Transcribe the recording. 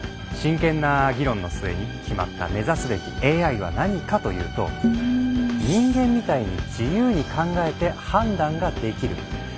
真剣な議論の末に決まった目指すべきＡＩは何かというと「人間みたいに自由に考えて判断ができる」